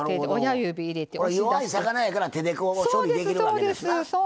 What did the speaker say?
弱い魚やから手でこう処理できるわけですな。